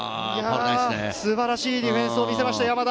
素晴らしいディフェンスを見せました山田。